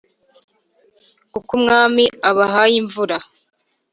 kuko umwami abahaye imvura.